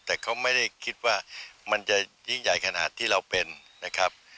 แต่เขาไม่ได้คิดว่ามันจะยิ่งใหญ่ขนาดที่เราเป็นนะครับ